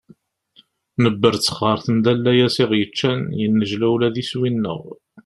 Nebberttex ɣer temda n layas i aɣ-yeččan, yennejla ula d iswi-nneɣ.